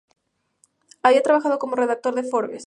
Había trabajado como redactor de Forbes.